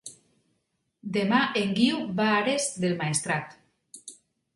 Demà en Guiu va a Ares del Maestrat.